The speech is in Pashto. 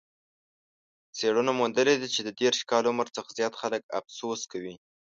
څېړنو موندلې چې د دېرش کاله عمر څخه زیات خلک افسوس کوي.